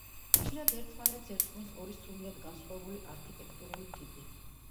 ხშირად ერთმანეთს ერწყმის ორი სრულიად განსხვავებული არქიტექტურული ტიპი.